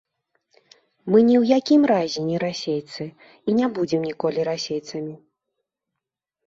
Мы ні ў якім разе ні расейцы, і не будзем ніколі расейцамі.